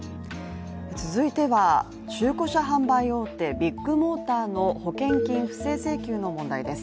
続いては、中古車販売大手ビッグモーターの保険金不正請求の問題です。